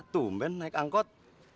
tumben naik angkot